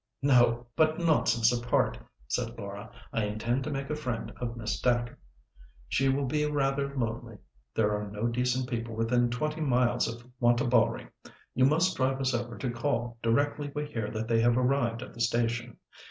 "No; but nonsense apart," said Laura, "I intend to make a friend of Miss Dacre; she will be rather lonely. There are no decent people within twenty miles of Wantabalree. You must drive us over to call directly we hear that they have arrived at the station.